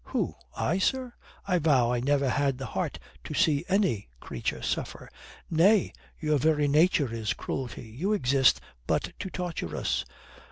"Who I, sir? I vow I never had the heart to see any creature suffer." "Nay, your very nature is cruelty. You exist but to torture us."